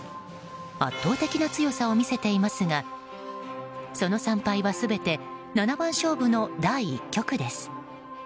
圧倒的な強さを見せていますがその３敗は全て七番勝負の第１局です。